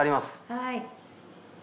はい。